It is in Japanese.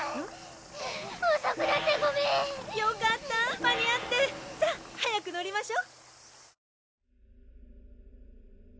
・おそくなってごめんよかった間に合ってさぁ早く乗りましょ！